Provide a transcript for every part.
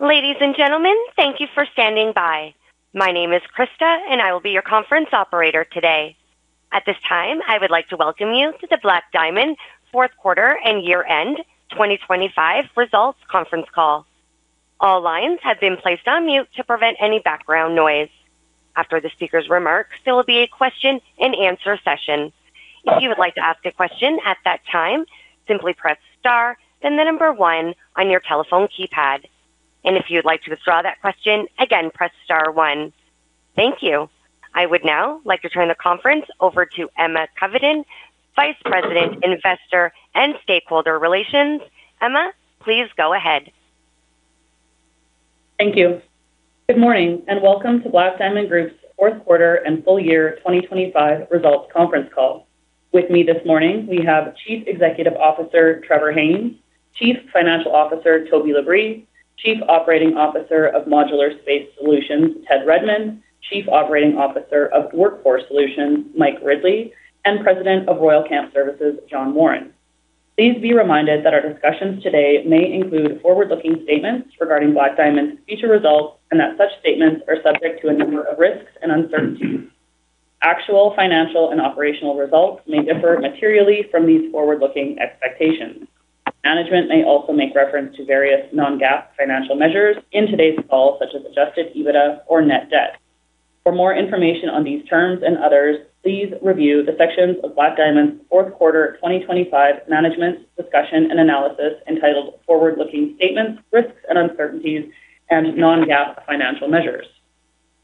Ladies and gentlemen, thank you for standing by. My name is Krista, I will be your conference operator today. At this time, I would like to welcome you to the Black Diamond Group Fourth Quarter and Year-End 2025 Results Conference Call. All lines have been placed on mute to prevent any background noise. After the speaker's remarks, there will be a question-and-answer session. If you would like to ask a question at that time, simply press star, then one on your telephone keypad. If you'd like to withdraw that question again, press star one. Thank you. I would now like to turn the conference over to Emma Covenden, Vice President, Investor and Stakeholder Relations. Emma, please go ahead. Thank you. Good morning, welcome to Black Diamond Group's Fourth Quarter and Full-Year 2025 Results Conference Call. With me this morning, we have Chief Executive Officer, Trevor Haynes, Chief Financial Officer, Toby LaBrie, Chief Operating Officer of Modular Space Solutions, Ted Redmond, Chief Operating Officer of Workforce Solutions, Mike Ridley, and President of Royal Camp Services, John Warren. Please be reminded that our discussions today may include forward-looking statements regarding Black Diamond's future results and that such statements are subject to a number of risks and uncertainties. Actual financial and operational results may differ materially from these forward-looking expectations. Management may also make reference to various non-GAAP financial measures in today's call, such as adjusted EBITDA or net debt. For more information on these terms and others, please review the sections of Black Diamond's fourth quarter 2025 management discussion and analysis entitled Forward-Looking Statements, Risks and Uncertainties, and Non-GAAP Financial Measures.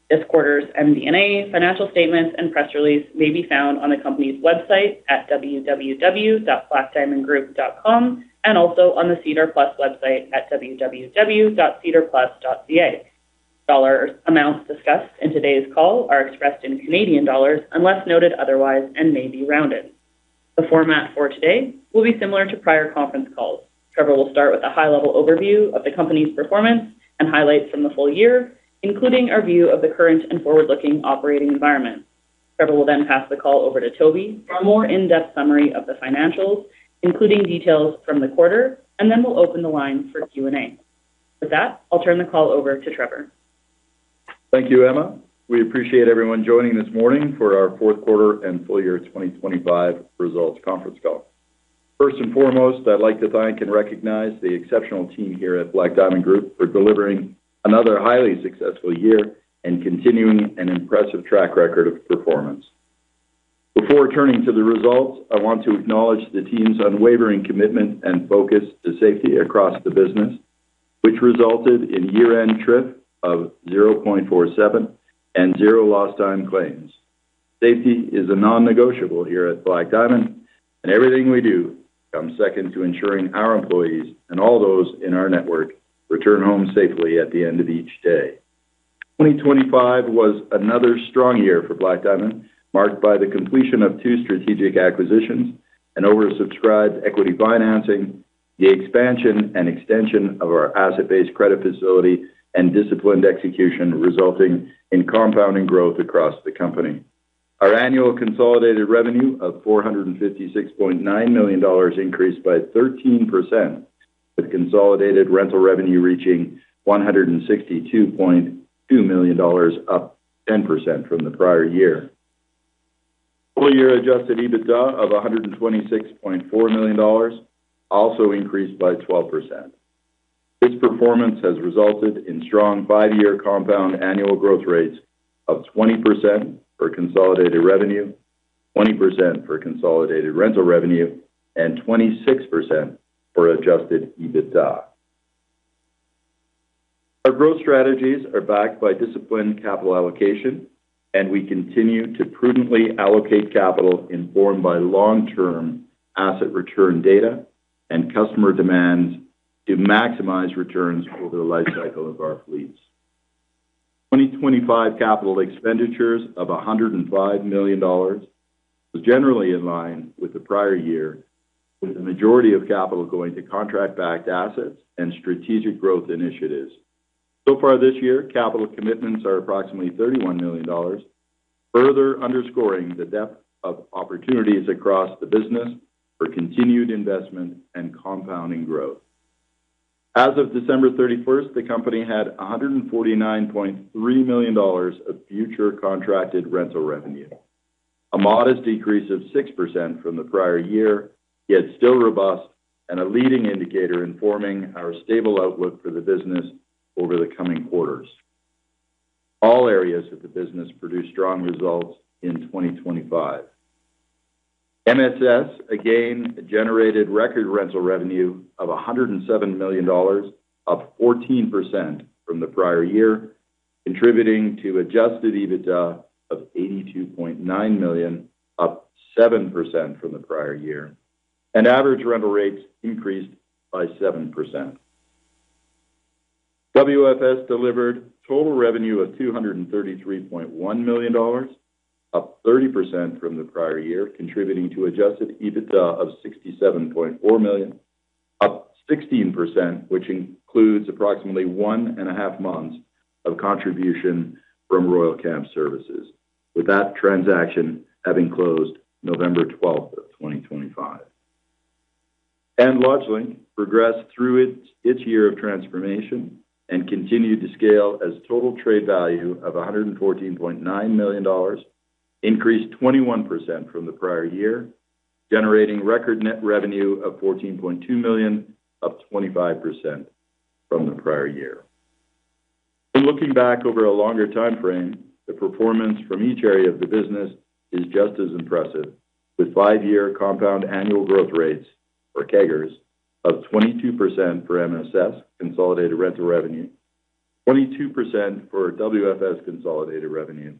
This quarter's MD&A, financial statements and press release may be found on the company's website at www.blackdiamondgroup.com and also on the SEDAR+ website at www.sedarplus.ca. Dollar amounts discussed in today's call are expressed in Canadian dollars, unless noted otherwise and may be rounded. The format for today will be similar to prior conference calls. Trevor will start with a high-level overview of the company's performance and highlights from the full year, including our view of the current and forward-looking operating environment. Trevor will then pass the call over to Toby for a more in-depth summary of the financials, including details from the quarter, and then we'll open the line for Q&A. With that, I'll turn the call over to Trevor. Thank you, Emma. We appreciate everyone joining this morning for our fourth quarter and full-year 2025 results conference call. First and foremost, I'd like to thank and recognize the exceptional team here at Black Diamond Group for delivering another highly successful year and continuing an impressive track record of performance. Before turning to the results, I want to acknowledge the team's unwavering commitment and focus to safety across the business, which resulted in year-end TRIF of 0.47 and zero lost time claims. Safety is a non-negotiable here at Black Diamond, and everything we do comes second to ensuring our employees and all those in our network return home safely at the end of each day. 2025 was another strong year for Black Diamond, marked by the completion of two strategic acquisitions, an oversubscribed equity financing, the expansion and extension of our asset-based credit facility and disciplined execution, resulting in compounding growth across the company. Our annual consolidated revenue of 456.9 million dollars increased by 13%, with consolidated rental revenue reaching 162.2 million dollars, up 10% from the prior year. Full-year Adjusted EBITDA of 126.4 million dollars, also increased by 12%. This performance has resulted in strong five-year compound annual growth rates of 20% for consolidated revenue, 20% for consolidated rental revenue, and 26% for Adjusted EBITDA. Our growth strategies are backed by disciplined capital allocation, and we continue to prudently allocate capital informed by long-term asset return data and customer demand to maximize returns over the lifecycle of our fleets. 2025 capital expenditures of CAD 105 million was generally in line with the prior year, with the majority of capital going to contract-backed assets and strategic growth initiatives. Far this year, capital commitments are approximately 31 million dollars, further underscoring the depth of opportunities across the business for continued investment and compounding growth. As of December 31st, the company had 149.3 million dollars of future contracted rental revenue, a modest decrease of 6% from the prior year, yet still robust and a leading indicator informing our stable outlook for the business over the coming quarters. All areas of the business produced strong results in 2025. MSS, again, generated record rental revenue of 107 million dollars, up 14% from the prior year, contributing to Adjusted EBITDA of 82.9 million, up 7% from the prior year. Average rental rates increased by 7%. WFS delivered total revenue of 233.1 million dollars, up 30% from the prior year, contributing to Adjusted EBITDA of 67.4 million, up 16%, which includes approximately 1.5 months of contribution from Royal Camp Services, with that transaction having closed November 12th, 2025. LodgeLink progressed through its year of transformation and continued to scale as total trade value of 114.9 million dollars increased 21% from the prior year, generating record net revenue of 14.2 million, up 25% from the prior year. Looking back over a longer time frame, the performance from each area of the business is just as impressive, with five-year compound annual growth rates, or CAGRs, of 22% for MSS consolidated rental revenue, 22% for WFS consolidated revenue,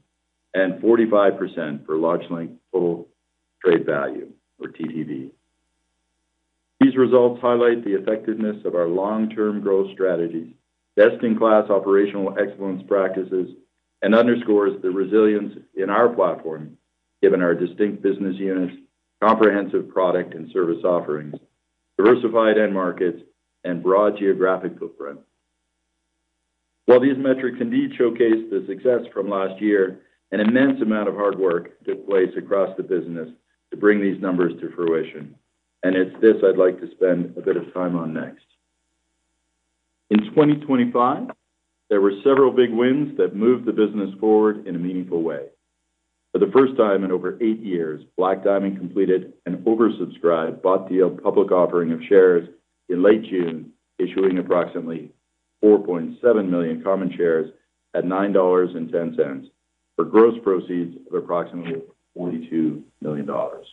and 45% for LodgeLink total trade value, or TTV. These results highlight the effectiveness of our long-term growth strategies, best-in-class operational excellence practices, and underscores the resilience in our platform, given our distinct business units, comprehensive product and service offerings, diversified end markets, and broad geographic footprint. While these metrics indeed showcase the success from last year, an immense amount of hard work took place across the business to bring these numbers to fruition, and it's this I'd like to spend a bit of time on next. In 2025, there were several big wins that moved the business forward in a meaningful way. For the first time in over eight years, Black Diamond completed an oversubscribed bought deal public offering of shares in late June, issuing approximately 4.7 million common shares at 9.10 dollars, for gross proceeds of approximately 42 million dollars.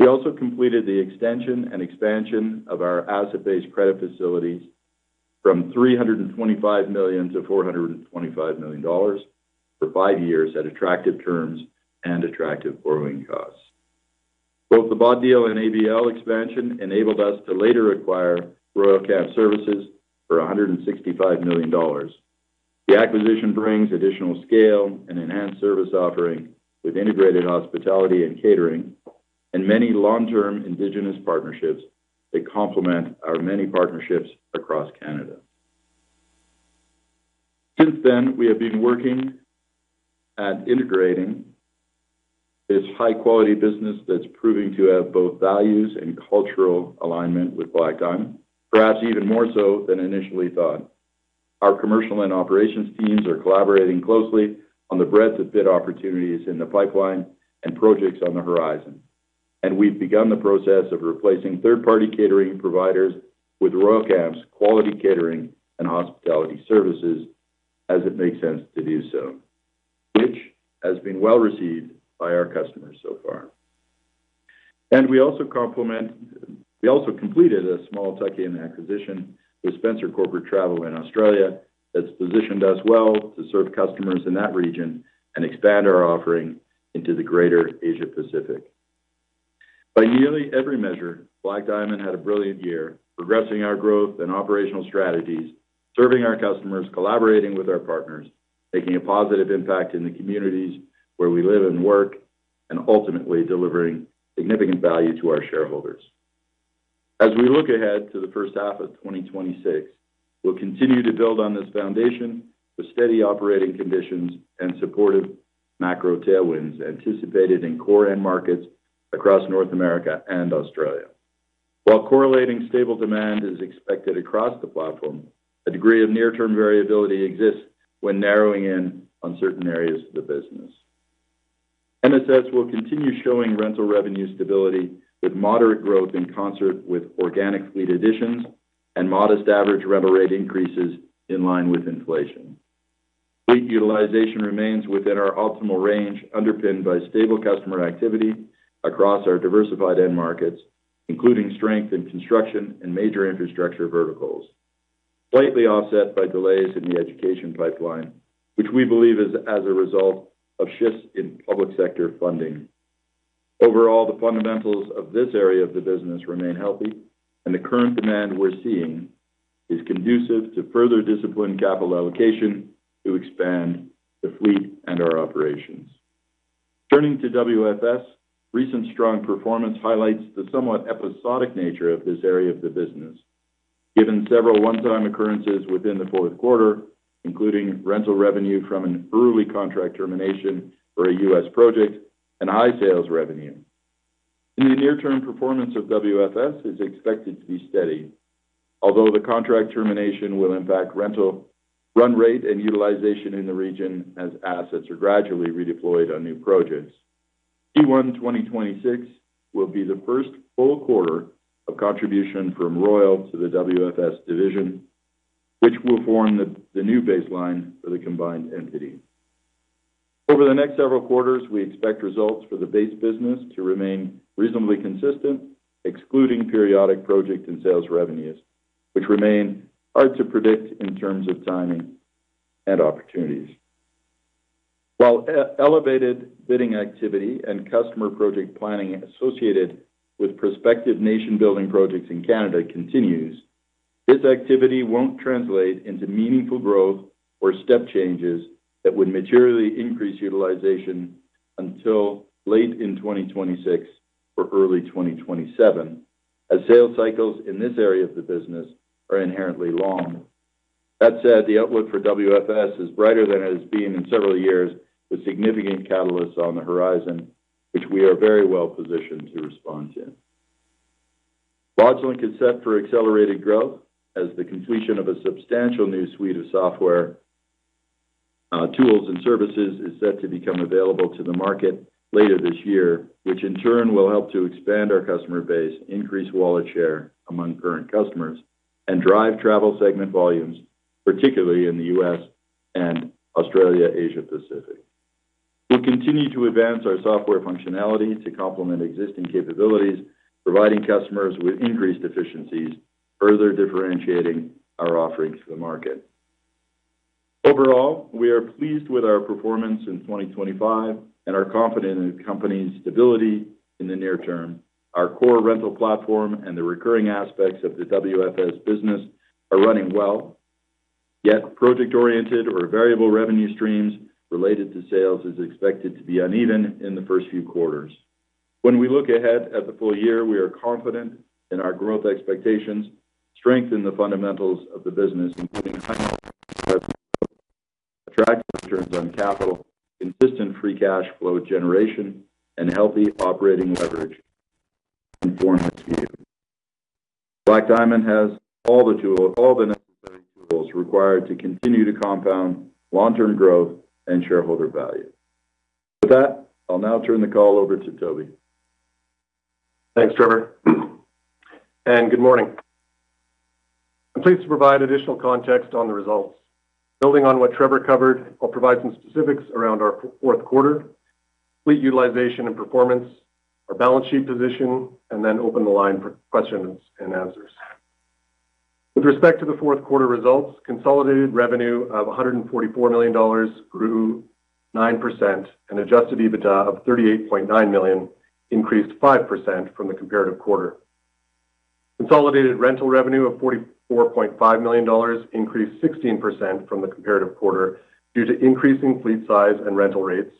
We also completed the extension and expansion of our asset-based credit facilities from 325 million to 425 million dollars for five years at attractive terms and attractive borrowing costs. Both the bought deal and ABL expansion enabled us to later acquire Royal Camp Services for $165 million. The acquisition brings additional scale and enhanced service offering with integrated hospitality and catering, many long-term indigenous partnerships that complement our many partnerships across Canada. Since then, we have been working at integrating this high-quality business that's proving to have both values and cultural alignment with Black Diamond, perhaps even more so than initially thought. Our commercial and operations teams are collaborating closely on the breadth of bid opportunities in the pipeline and projects on the horizon. We've begun the process of replacing third-party catering providers with Royal Camp's quality catering and hospitality services, as it makes sense to do so, which has been well-received by our customers so far. We also completed a small tuck-in acquisition with Spencer Corporate Travel in Australia, that's positioned us well to serve customers in that region and expand our offering into the greater Asia-Pacific. By nearly every measure, Black Diamond had a brilliant year, progressing our growth and operational strategies, serving our customers, collaborating with our partners, making a positive impact in the communities where we live and work, and ultimately delivering significant value to our shareholders. As we look ahead to the first half of 2026, we'll continue to build on this foundation with steady operating conditions and supportive macro tailwinds anticipated in core end markets across North America and Australia. While correlating stable demand is expected across the platform, a degree of near-term variability exists when narrowing in on certain areas of the business. MSS will continue showing rental revenue stability with moderate growth in concert with organic fleet additions and modest average revenue rate increases in line with inflation. Fleet utilization remains within our optimal range, underpinned by stable customer activity across our diversified end markets, including strength in construction and major infrastructure verticals, slightly offset by delays in the education pipeline, which we believe is as a result of shifts in public sector funding. Overall, the fundamentals of this area of the business remain healthy. The current demand we're seeing is conducive to further discipline capital allocation to expand the fleet and our operations. Turning to WFS, recent strong performance highlights the somewhat episodic nature of this area of the business. Given several one-time occurrences within the fourth quarter, including rental revenue from an early contract termination for a U.S. project and high sales revenue. In the near term, performance of WFS is expected to be steady, although the contract termination will impact rental, run rate, and utilization in the region as assets are gradually redeployed on new projects. Q1 2026 will be the first full quarter of contribution from Royal to the WFS division, which will form the new baseline for the combined entity. Over the next several quarters, we expect results for the base business to remain reasonably consistent, excluding periodic project and sales revenues, which remain hard to predict in terms of timing and opportunities. While elevated bidding activity and customer project planning associated with prospective nation-building projects in Canada continues, this activity won't translate into meaningful growth or step changes that would materially increase utilization until late in 2026 or early 2027, as sales cycles in this area of the business are inherently long. That said, the outlook for WFS is brighter than it has been in several years, with significant catalysts on the horizon, which we are very well positioned to respond to. Lodging is set for accelerated growth as the completion of a substantial new suite of software, tools, and services is set to become available to the market later this year, which in turn will help to expand our customer base, increase wallet share among current customers, and drive travel segment volumes, particularly in the U.S. and Australia, Asia Pacific. We continue to advance our software functionality to complement existing capabilities, providing customers with increased efficiencies, further differentiating our offerings to the market. Overall, we are pleased with our performance in 2025 and are confident in the company's stability in the near term. Our core rental platform and the recurring aspects of the WFS business are running well, yet project-oriented or variable revenue streams related to sales is expected to be uneven in the first few quarters. When we look ahead at the full year, we are confident in our growth expectations, strengthen the fundamentals of the business, including high customer growth, attractive returns on capital, consistent free cash flow generation, and healthy operating leverage. Black Diamond has all the necessary tools required to continue to compound long-term growth and shareholder value. With that, I'll now turn the call over to Toby. Thanks, Trevor. Good morning. I'm pleased to provide additional context on the results. Building on what Trevor covered, I'll provide some specifics around our fourth quarter, fleet utilization and performance, our balance sheet position, open the line for questions and answers. With respect to the fourth quarter results, consolidated revenue of $144 million grew 9%, Adjusted EBITDA of $38.9 million increased 5% from the comparative quarter. Consolidated rental revenue of $44.5 million increased 16% from the comparative quarter due to increasing fleet size and rental rates,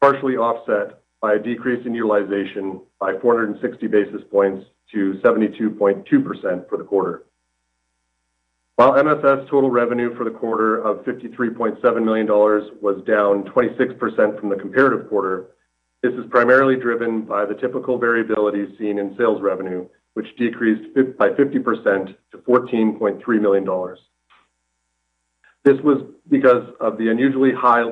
partially offset by a decrease in utilization by 460 basis points to 72.2% for the quarter. MSS total revenue for the quarter of 53.7 million dollars was down 26% from the comparative quarter, this is primarily driven by the typical variability seen in sales revenue, which decreased by 50% to 14.3 million dollars. This was because of the unusually high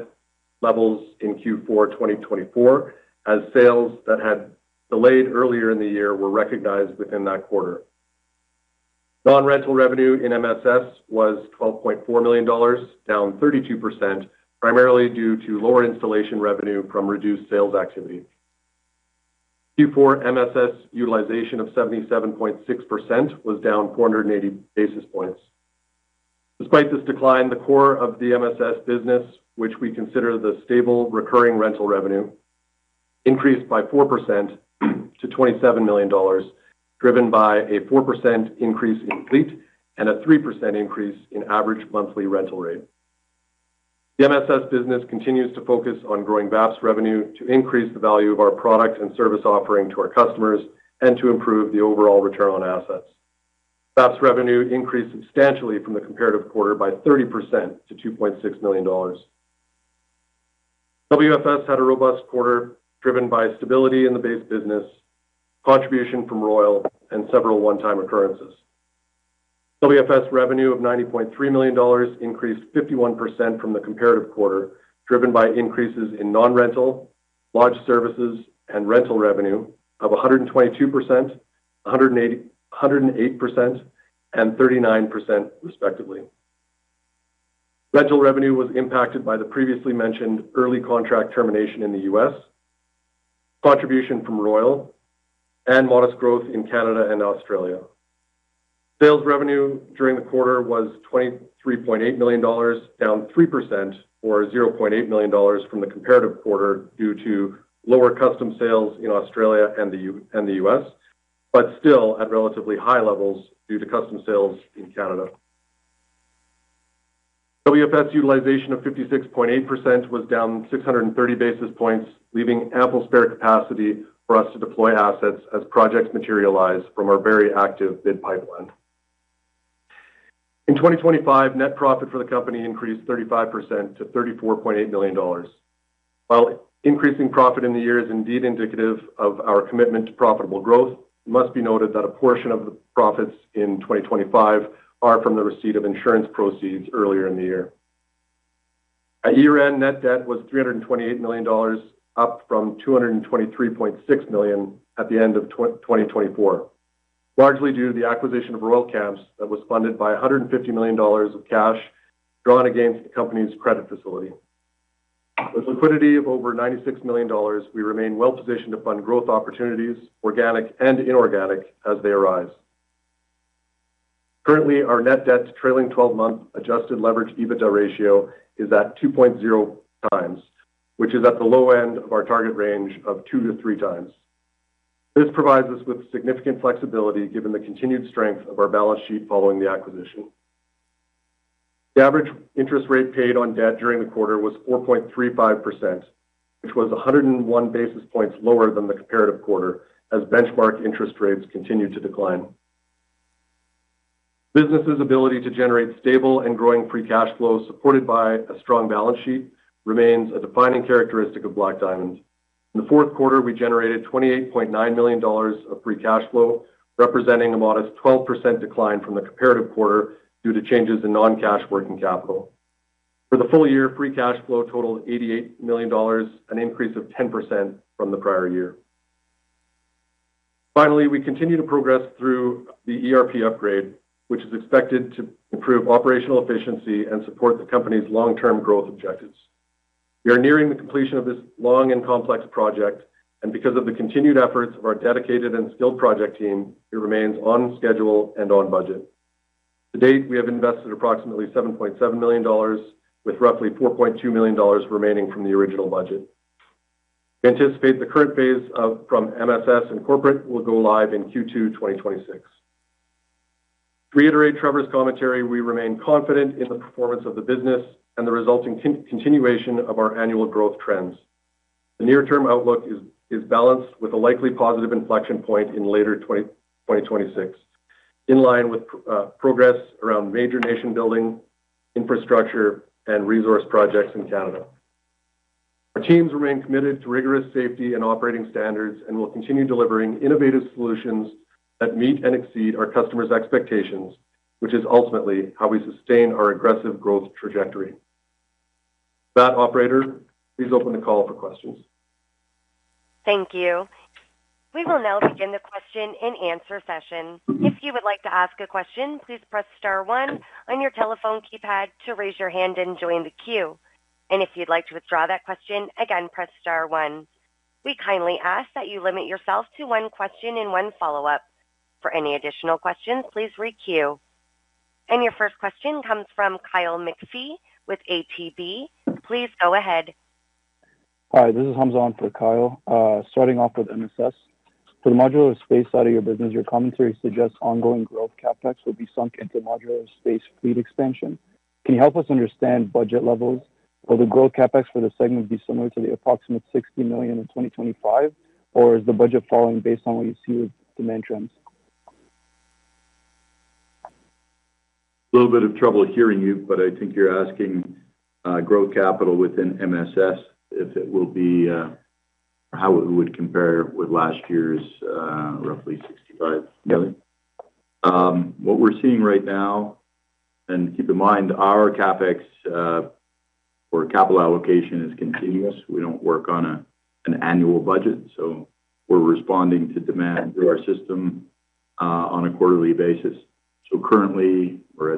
levels in Q4 2024, as sales that had delayed earlier in the year were recognized within that quarter. Non-rental revenue in MSS was 12.4 million dollars, down 32%, primarily due to lower installation revenue from reduced sales activity. Q4 MSS utilization of 77.6% was down 480 basis points. Despite this decline, the core of the MSS business, which we consider the stable recurring rental revenue, increased by 4% to 27 million dollars, driven by a 4% increase in fleet and a 3% increase in average monthly rental rate. The MSS business continues to focus on growing VAPS revenue to increase the value of our product and service offering to our customers and to improve the overall return on assets. VAPS revenue increased substantially from the comparative quarter by 30% to 2.6 million dollars. WFS had a robust quarter, driven by stability in the base business, contribution from Royal, and several one-time occurrences. WFS revenue of 90.3 million dollars increased 51% from the comparative quarter, driven by increases in non-rental, lodge services, and rental revenue of 122%, 108%, and 39% respectively. Rental revenue was impacted by the previously mentioned early contract termination in the U.S., contribution from Royal, and modest growth in Canada and Australia. Sales revenue during the quarter was 23.8 million dollars, down 3% or 0.8 million dollars from the comparative quarter due to lower custom sales in Australia and the U.S., still at relatively high levels due to custom sales in Canada. WFS utilization of 56.8% was down 630 basis points, leaving ample spare capacity for us to deploy assets as projects materialize from our very active bid pipeline. In 2025, net profit for the company increased 35% to 34.8 million dollars. While increasing profit in the year is indeed indicative of our commitment to profitable growth, it must be noted that a portion of the profits in 2025 are from the receipt of insurance proceeds earlier in the year. At year-end, net debt was 328 million dollars, up from 223.6 million at the end of 2024, largely due to the acquisition of Royal Camps that was funded by 150 million dollars of cash drawn against the company's credit facility. With liquidity of over 96 million dollars, we remain well-positioned to fund growth opportunities, organic and inorganic, as they arise. Currently, our net debt to trailing-twelve-month adjusted leverage EBITDA ratio is at 2.0x, which is at the low end of our target range of 2x-3x. This provides us with significant flexibility, given the continued strength of our balance sheet following the acquisition. The average interest rate paid on debt during the quarter was 4.35%, which was 101 basis points lower than the comparative quarter, as benchmark interest rates continued to decline. Business's ability to generate stable and growing free cash flow, supported by a strong balance sheet, remains a defining characteristic of Black Diamond. In the fourth quarter, we generated 28.9 million dollars of free cash flow, representing a modest 12% decline from the comparative quarter due to changes in non-cash working capital. For the full year, free cash flow totaled 88 million dollars, an increase of 10% from the prior year. We continue to progress through the ERP upgrade, which is expected to improve operational efficiency and support the company's long-term growth objectives. We are nearing the completion of this long and complex project, and because of the continued efforts of our dedicated and skilled project team, it remains on schedule and on budget. To date, we have invested approximately 7.7 million dollars, with roughly 4.2 million dollars remaining from the original budget. We anticipate the current phase of, from MSS and corporate will go live in Q2 2026. To reiterate Trevor Haynes' commentary, we remain confident in the performance of the business and the resulting continuation of our annual growth trends. The near-term outlook is balanced with a likely positive inflection point in later 2026, in line with progress around major nation-building, infrastructure, and resource projects in Canada. Our teams remain committed to rigorous safety and operating standards and will continue delivering innovative solutions that meet and exceed our customers' expectations, which is ultimately how we sustain our aggressive growth trajectory. With that, operator, please open the call for questions. Thank you. We will now begin the question-and-answer session. If you would like to ask a question, please press star one on your telephone keypad to raise your hand and join the queue. If you'd like to withdraw that question, again, press star one. We kindly ask that you limit yourself to one question and one follow-up. For any additional questions, please re queue. Your first question comes from Kyle McPhee with ATB. Please go ahead. Hi, this is Hamzah on for Kyle. Starting off with MSS. For the modular space side of your business, your commentary suggests ongoing growth CapEx will be sunk into modular space fleet expansion. Can you help us understand budget levels? Will the growth CapEx for the segment be similar to the approximate 60 million in 2025, or is the budget falling based on what you see with demand trends? A little bit of trouble hearing you, but I think you're asking, growth capital within MSS, if it will be, how it would compare with last year's, roughly 65 million. What we're seeing right now, and keep in mind, our CapEx, or capital allocation is continuous. We don't work on an annual budget, so we're responding to demand through our system, on a quarterly basis. Currently, we're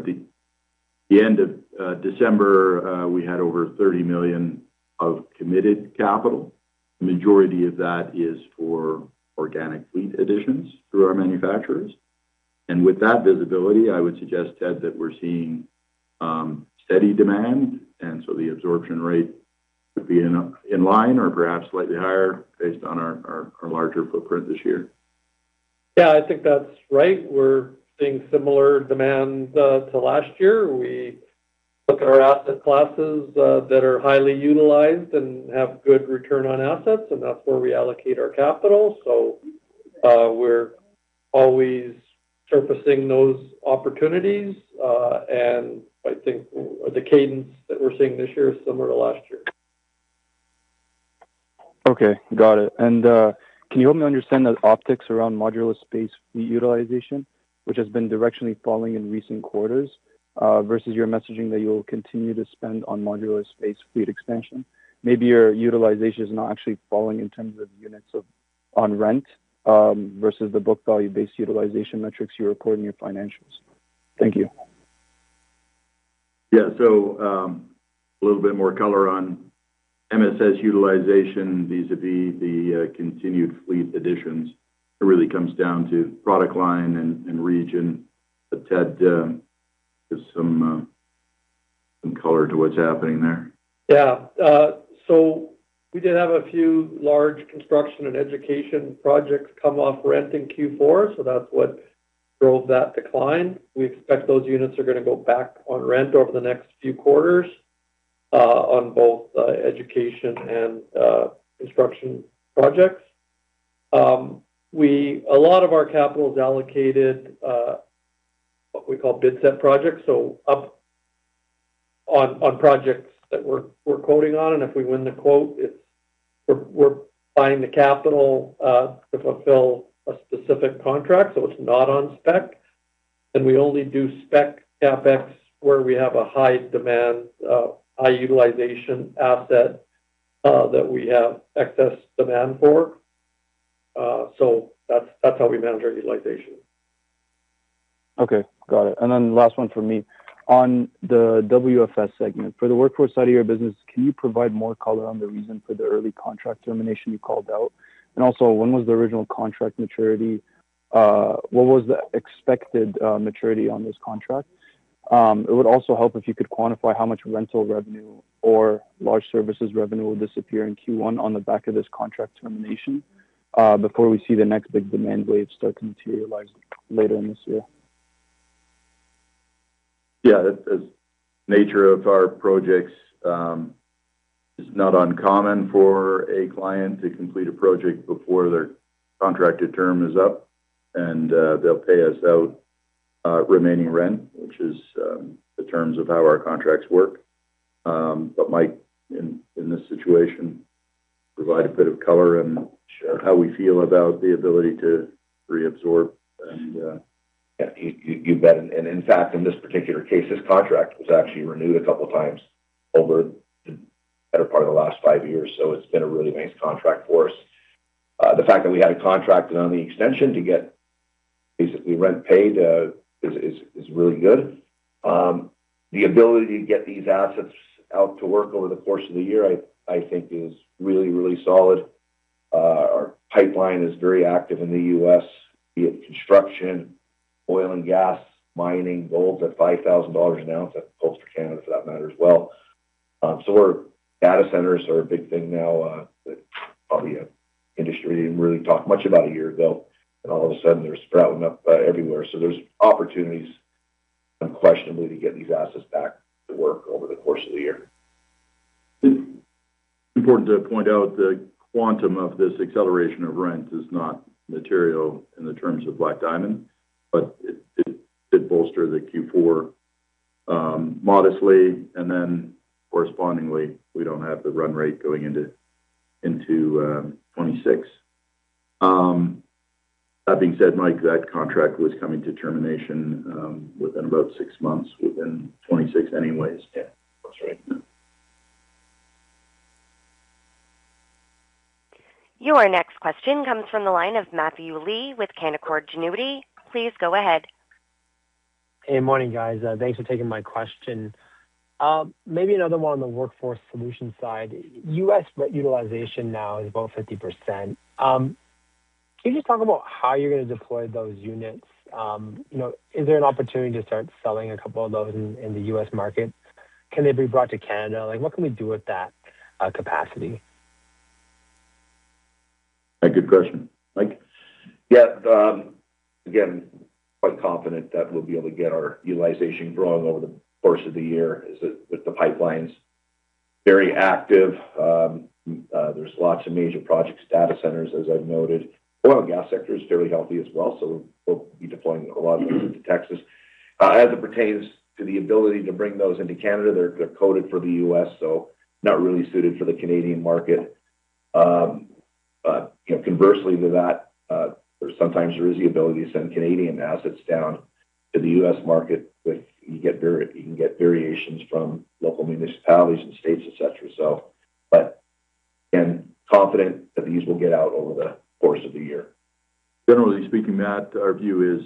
at the end of December, we had over 30 million of committed capital. The majority of that is for organic fleet additions through our manufacturers. With that visibility, I would suggest, Ted, that we're seeing steady demand, and so the absorption rate would be in line or perhaps slightly higher based on our larger footprint this year. Yeah, I think that's right. We're seeing similar demand to last year. We look at our asset classes that are highly utilized and have good return on assets, and that's where we allocate our capital. We're always surfacing those opportunities, and I think the cadence that we're seeing this year is similar to last year. Okay, got it. Can you help me understand the optics around modular space fleet utilization, which has been directionally falling in recent quarters, versus your messaging that you will continue to spend on modular space fleet expansion? Maybe your utilization is not actually falling in terms of units of on rent, versus the book value-based utilization metrics you record in your financials. Thank you. Yeah. A little bit more color on MSS utilization, vis-a-vis the continued fleet additions. It really comes down to product line and region. Ted, give some some color to what's happening there. We did have a few large construction and education projects come off rent in Q4, so that's what drove that decline. We expect those units are going to go back on rent over the next few quarters, on both education and construction projects. A lot of our capital is allocated, what we call bid set projects, so up on projects that we're quoting on, and if we win the quote, it's, we're buying the capital to fulfill a specific contract, so it's not on spec. We only do spec CapEx where we have a high demand, high utilization asset that we have excess demand for. That's, that's how we manage our utilization. Okay. Got it. Last one for me. On the WFS segment, for the workforce side of your business, can you provide more color on the reason for the early contract termination you called out? Also, when was the original contract maturity? What was the expected maturity on this contract? It would also help if you could quantify how much rental revenue or large services revenue will disappear in Q1 on the back of this contract termination before we see the next big demand wave start to materialize later in this year. Yeah, that's the nature of our projects. It's not uncommon for a client to complete a project before their contracted term is up, and they'll pay us out remaining rent, which is the terms of how our contracts work. Mike, in this situation, provide a bit of color and share how we feel about the ability to reabsorb. Yeah, you bet. And in fact, in this particular case, this contract was actually renewed a couple of times over the better part of the last five years, so it's been a really nice contract for us. The fact that we had a contract and on the extension to get basically rent paid is really good. The ability to get these assets out to work over the course of the year, I think is really, really solid. Our pipeline is very active in the U.S., be it construction, oil and gas, mining, gold at $5,000 an ounce, that holds for Canada, for that matter as well. Our data centers are a big thing now, that probably an industry didn't really talk much about a year ago, and all of a sudden they're sprouting up everywhere. There's opportunities, unquestionably, to get these assets back to work over the course of the year. It's important to point out the quantum of this acceleration of rent is not material in the terms of Black Diamond, but it did bolster the Q4, modestly, and then correspondingly, we don't have the run rate going into 2026. That being said, Mike, that contract was coming to termination, within about six months, within 2026 anyways. Yeah, that's right. Your next question comes from the line of Matthew Lee with Canaccord Genuity. Please go ahead. Hey, morning, guys. Thanks for taking my question. Maybe another one on the workforce solution side. U.S. utilization now is about 50%. Can you just talk about how you're going to deploy those units? You know, is there an opportunity to start selling a couple of those in the U.S. market? Can they be brought to Canada? Like, what can we do with that capacity? A good question, Mike. Yeah, again, quite confident that we'll be able to get our utilization growing over the course of the year, as with the pipelines very active. There's lots of major projects, data centers, as I've noted. Oil and gas sector is fairly healthy as well, so we'll be deploying a lot of those to Texas. As it pertains to the ability to bring those into Canada, they're coded for the U.S., so not really suited for the Canadian market. But conversely to that, sometimes there is the ability to send Canadian assets down to the U.S. market, which you can get variations from local municipalities and states, et cetera. Again, confident that these will get out over the course of the year. Generally speaking, Matt, our view is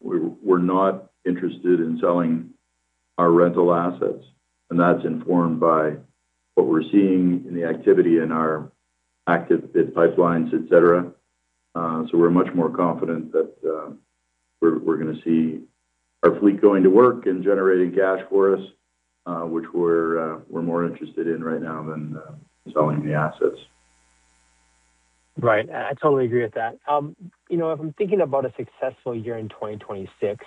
we're not interested in selling our rental assets, and that's informed by what we're seeing in the activity in our active bid pipelines, et cetera. We're much more confident that we're gonna see our fleet going to work and generating cash for us, which we're more interested in right now than selling the assets. Right. I totally agree with that. you know, if I'm thinking about a successful year in 2026,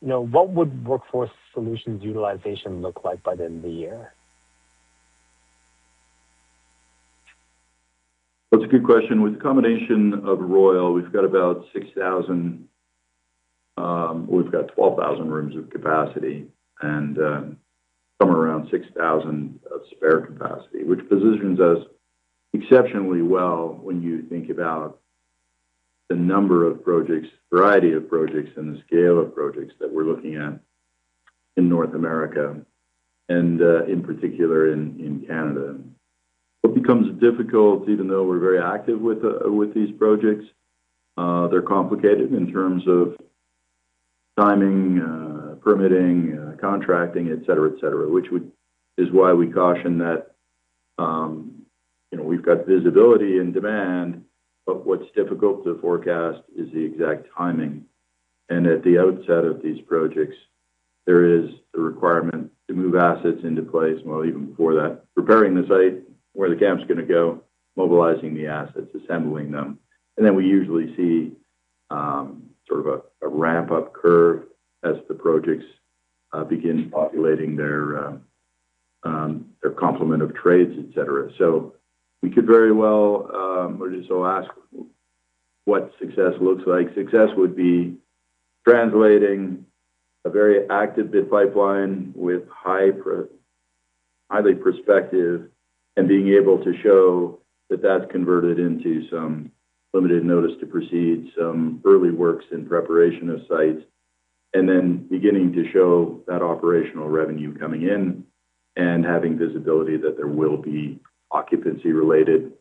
you know, what would Workforce Solutions utilization look like by the end of the year? That's a good question. With the combination of Royal, we've got about 6,000 rooms of capacity and somewhere around 6,000 of spare capacity, which positions us exceptionally well when you think about the number of projects, variety of projects, and the scale of projects that we're looking at in North America and in particular in Canada. What becomes difficult, even though we're very active with these projects, they're complicated in terms of timing, permitting, contracting, et cetera, et cetera, is why we caution that, you know, we've got visibility and demand, but what's difficult to forecast is the exact timing. At the outset of these projects, there is the requirement to move assets into place, well, even before that, preparing the site where the camp's gonna go, mobilizing the assets, assembling them. Then we usually see a ramp-up curve as the projects begin populating their complement of trades, et cetera. We could very well or just so ask what success looks like. Success would be translating a very active bid pipeline with highly perspective, and being able to show that that's converted into some limited notice to proceed, some early works in preparation of sites, and then beginning to show that operational revenue coming in and having visibility that there will be occupancy-related,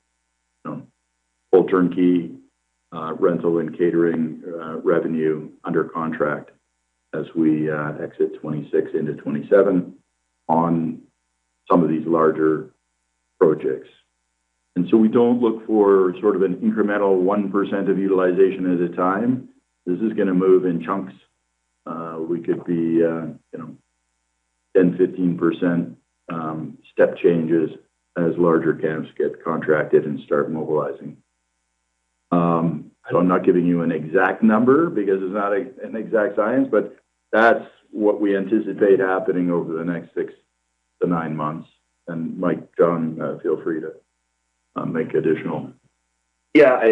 full turnkey, rental and catering, revenue under contract as we exit 2026 into 2027 on some of these larger projects. We don't look for an incremental 1% of utilization at a time. This is going to move in chunks. We could be, you know, 10%, 15% step changes as larger camps get contracted and start mobilizing. So I'm not giving you an exact number because it's not an exact science, but that's what we anticipate happening over the next six to nine months. Mike, John, feel free to, make additional. Yeah.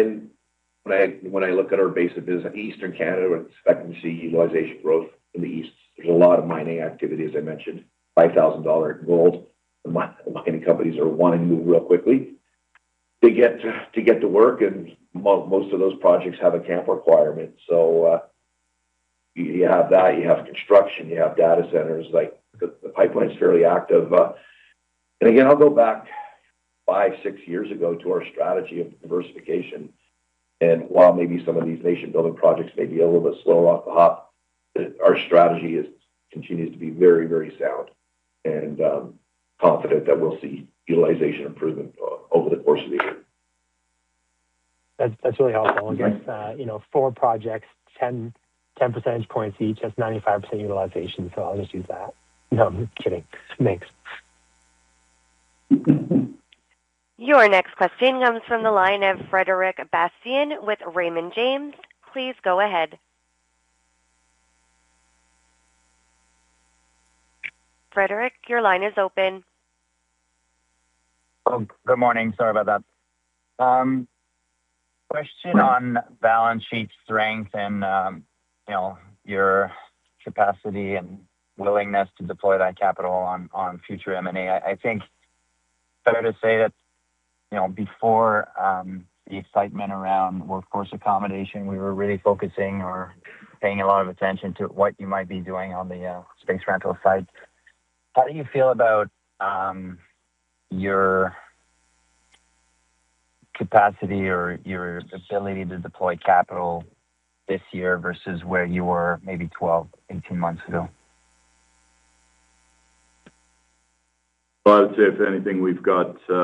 When I look at our base of business, Eastern Canada, we're expecting to see utilization growth in the East. There's a lot of mining activity, as I mentioned, 5,000 dollar gold. The mining companies are wanting to move real quickly to get to work, and most of those projects have a camp requirement. You have that, you have construction, you have data centers, like, the pipeline is fairly active. Again, I'll go back five, six years ago to our strategy of diversification. While maybe some of these nation-building projects may be a little bit slow off the hop, our strategy continues to be very, very sound and confident that we'll see utilization improvement over the course of the year. That's really helpful. I guess, you know, four projects, 10 percentage points each, that's 95% utilization, so I'll just use that. No, I'm kidding. Thanks. Your next question comes from the line of Frederic Bastien with Raymond James. Please go ahead. Frederic, your line is open. Oh, good morning. Sorry about that. Question on balance sheet strength and, you know, your capacity and willingness to deploy that capital on future M&A. I think fair to say that, you know, before, the excitement around workforce accommodation, we were really focusing or paying a lot of attention to what you might be doing on the space rental site. How do you feel about, your capacity or your ability to deploy capital this year versus where you were maybe 12, 18 months ago? Well, I'd say if anything, we've got, you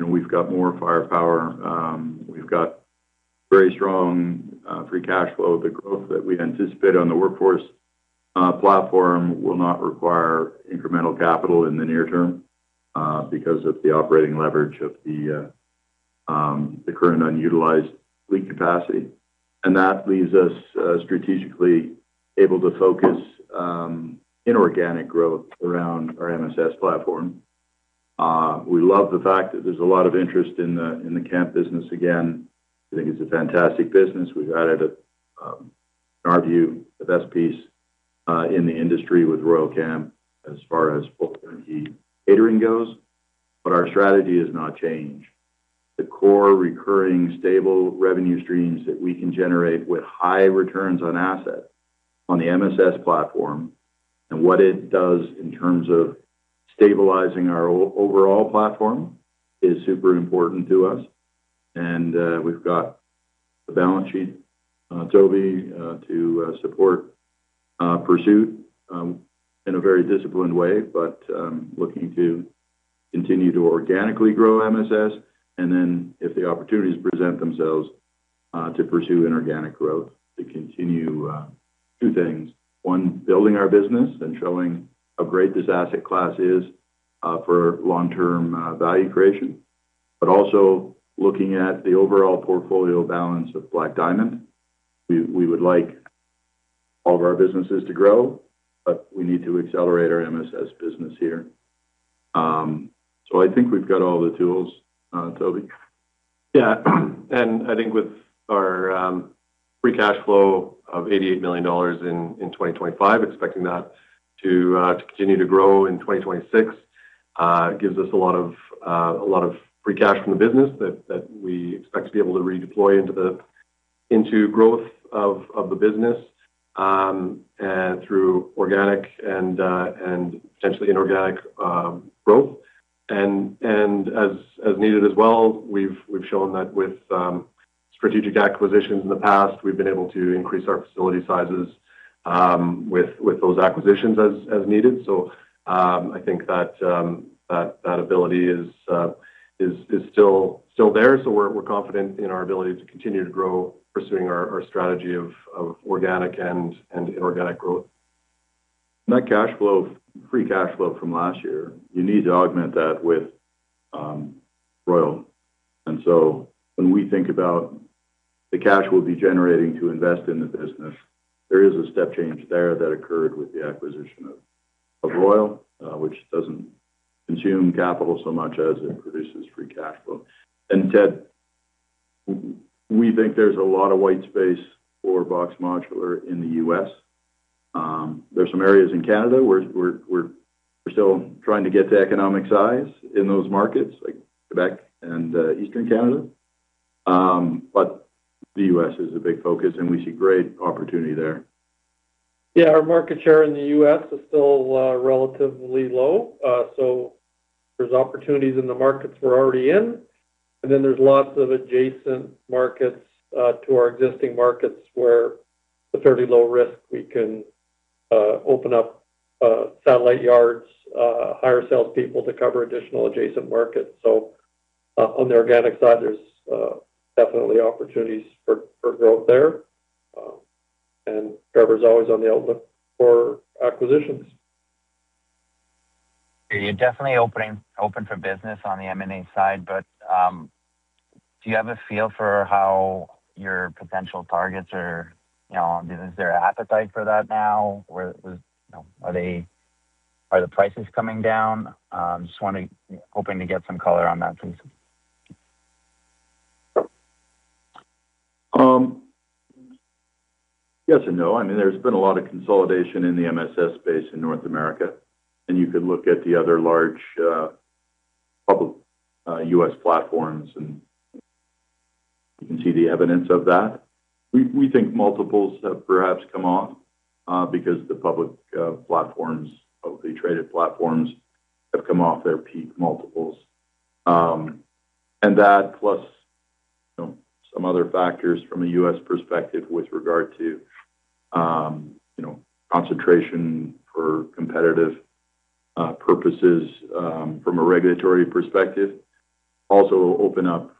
know, we've got more firepower. We've got very strong free cash flow. The growth that we anticipate on the workforce platform will not require incremental capital in the near term because of the operating leverage of the current unutilized fleet capacity. That leaves us strategically able to focus inorganic growth around our MSS platform. We love the fact that there's a lot of interest in the camp business again. I think it's a fantastic business. We've added a, in our view, the best piece in the industry with Royal Camp as far as food and heat catering goes, but our strategy has not changed. The core, recurring, stable revenue streams that we can generate with high returns on asset on the MSS platform, and what it does in terms of stabilizing our overall platform, is super important to us. We've got the balance sheet, Toby, to support pursuit, in a very disciplined way, but looking to continue to organically grow MSS, and then if the opportunities present themselves, to pursue inorganic growth, to continue two things. One, building our business and showing how great this asset class is for long-term value creation, but also looking at the overall portfolio balance of Black Diamond. We would like all of our businesses to grow, but we need to accelerate our MSS business here. I think we've got all the tools, Toby. Yeah, I think with our free cash flow of $88 million in 2025, expecting that to continue to grow in 2026, gives us a lot of free cash from the business that we expect to be able to redeploy into growth of the business, and through organic and potentially inorganic growth. As needed as well, we've shown that with strategic acquisitions in the past, we've been able to increase our facility sizes with those acquisitions as needed. I think that ability is still there. We're confident in our ability to continue to grow, pursuing our strategy of organic and inorganic growth. That cash flow, free cash flow from last year, you need to augment that with Royal. When we think about the cash we'll be generating to invest in the business, there is a step change there that occurred with the acquisition of Royal, which doesn't consume capital so much as it produces free cash flow. Ted, we think there's a lot of white space for BOXX Modular in the U.S. There's some areas in Canada where we're still trying to get to economic size in those markets, like Quebec and Eastern Canada. The U.S. is a big focus, and we see great opportunity there. Yeah, our market share in the U.S. is still relatively low. There's opportunities in the markets we're already in, and then there's lots of adjacent markets to our existing markets where it's fairly low risk. We can open up satellite yards, hire salespeople to cover additional adjacent markets. On the organic side, there's definitely opportunities for growth there. Trevor's always on the outlook for acquisitions. You're definitely open for business on the M&A side, but, do you have a feel for how your potential targets are, you know, is there an appetite for that now, or, you know, are the prices coming down? Just hoping to get some color on that, please. Yes and no. I mean, there's been a lot of consolidation in the MSS space in North America, you could look at the other large public U.S. platforms, and you can see the evidence of that. We think multiples have perhaps come off because the public platforms, publicly traded platforms, have come off their peak multiples. That plus, you know, some other factors from a U.S. perspective with regard to, you know, concentration for competitive purposes, from a regulatory perspective, also open up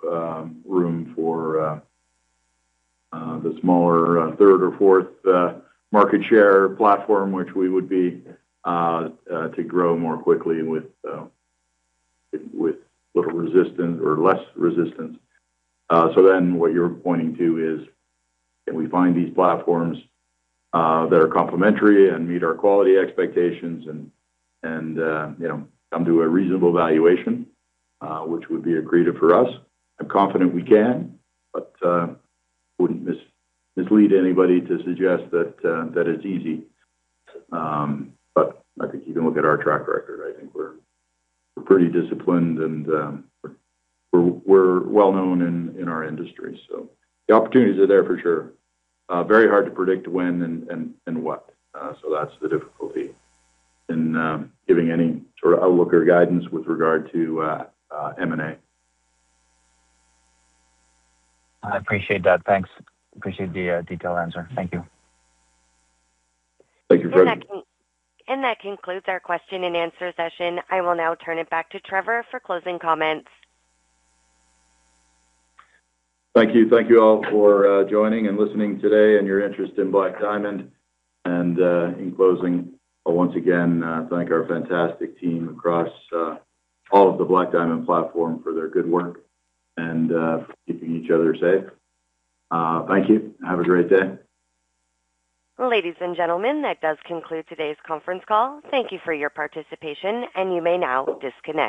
room for the smaller third or fourth market share platform, which we would be to grow more quickly with little resistance or less resistance. What you're pointing to is, can we find these platforms that are complementary and meet our quality expectations and, you know, come to a reasonable valuation which would be accretive for us? I'm confident we can, wouldn't mislead anybody to suggest that it's easy. I think you can look at our track record. I think we're pretty disciplined and we're well known in our industry, the opportunities are there for sure. Very hard to predict when and what, that's the difficulty in giving any sort of outlook or guidance with regard to M&A. I appreciate that. Thanks. Appreciate the detailed answer. Thank you. Thank you, Frederic. That concludes our question-and-answer session. I will now turn it back to Trevor for closing comments. Thank you. Thank you all for joining and listening today and your interest in Black Diamond. In closing, I once again thank our fantastic team across all of the Black Diamond platform for their good work and keeping each other safe. Thank you. Have a great day. Ladies and gentlemen, that does conclude today's conference call. Thank you for your participation, and you may now disconnect.